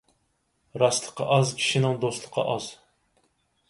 راستلىقى ئاز كىشىنىڭ دوستلۇقى ئاز.